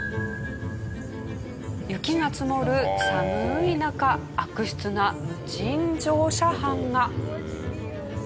雪が積もる寒い中悪質な無賃乗車犯が。